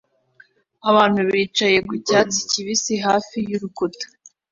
Abantu bicaye ku cyatsi kibisi hafi y'urukuta